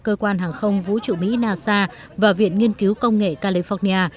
cơ quan hàng không vũ trụ mỹ nasa và viện nghiên cứu công nghệ california